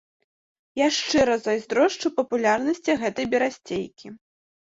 Я шчыра зайздрошчу папулярнасці гэтай берасцейкі!